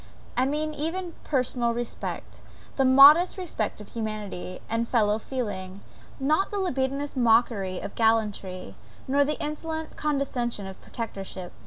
I mean even personal respect the modest respect of humanity, and fellow feeling; not the libidinous mockery of gallantry, nor the insolent condescension of protectorship.